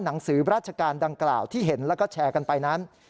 หนังสือราชการดังกล่าวที่เห็นแล้วก็แชร์กันไปนั้น